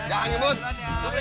jangan ngecut kita ya